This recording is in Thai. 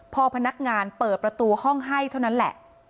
พอพนักงานเปิดประตูห้องให้เท่านั้นแหละ